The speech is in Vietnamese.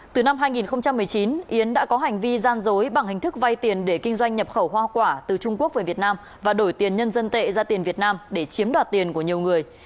từ năm hai nghìn một mươi chín yến đã có hành vi gian dối bằng hình thức vay tiền để kinh doanh nhập khẩu hoa quả từ trung quốc về việt nam và đổi tiền nhân dân tệ ra tiền việt nam để chiếm đoạt tiền của nhiều người